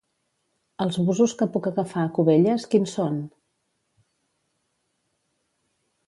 Els busos que puc agafar a Cubelles, quins són?